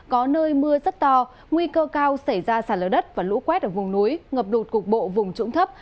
có nơi mưa rất to nguy cơ cao xảy ra sạt lở đất và lũ quét ở vùng núi ngập lụt cục bộ vùng trũng thấp